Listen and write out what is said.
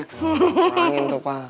kurangin tuh pa